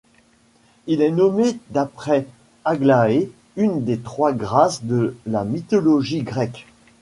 Il est nommé d'après Aglaé, une des trois Grâces de la mythologie grecque.